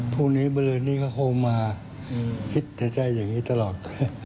พรุ่งนี้บริเวณนี้ก็คงมาคิดเสียใจอย่างนี้ตลอด